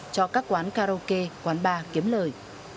cho các quán karaoke quán bar kiếm lời